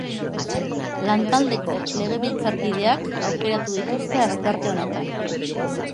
Lantaldeko legebiltzarkideak aukeratu dituzte astearte honetan.